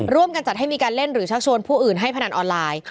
ร่วมกันจัดให้มีการเล่นหรือชักชวนผู้อื่นให้พนันออนไลน์